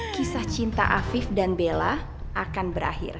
kisah cinta afif dan bella akan berakhir